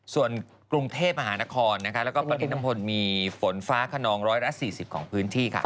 ส่วนกรุงเทพฯหานครแล้วมีฝนฟ้าขนองร้อยละ๔๐ของพื้นที่